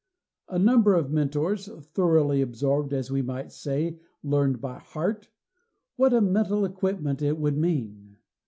A number of Mentors thoroughly absorbed as we might say, "learned by heart" what a mental equipment it would mean!